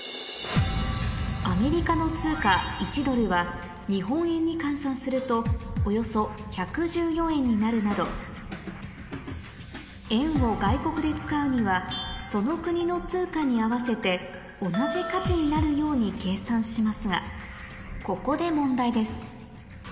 アメリカの通貨１ドルは日本円に換算するとおよそ１１４円になるなど円を外国で使うにはその国の通貨に合わせて同じ価値になるように計算しますがここで問題です